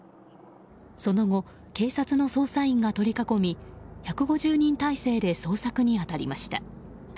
その後、警察の捜査員が取り囲み１５０人態勢で捜索に当たりました。